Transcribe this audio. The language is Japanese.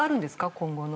今後の。